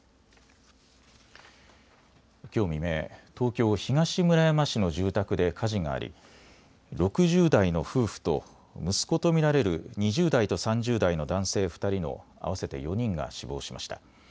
きょう未明、東京東村山市の住宅で火事があり６０代の夫婦と息子と見られる２０代と３０代の男性２人の合わせて４人が死亡しました。